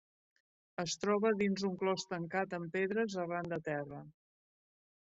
Es troba dins un clos tancat amb pedres arran de terra.